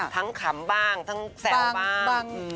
ทั้งขำบ้างทั้งแสวบ้าง